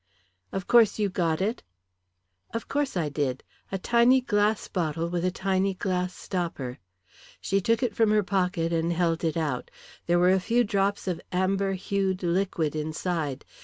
Of course, you got it?" "Of course I did. A tiny glass bottle with a tiny glass stopper." She took it from her pocket and held it out. There were a few drops of amber hued liquid inside.